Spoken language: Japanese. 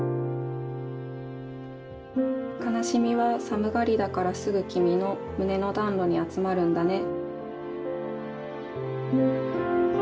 「かなしみは寒がりだからすぐきみの胸の暖炉に集まるんだね」。